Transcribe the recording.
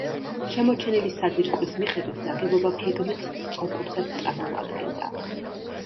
შემორჩენილი საძირკვლის მიხედვით, ნაგებობა გეგმით სწორკუთხედს წარმოადგენდა.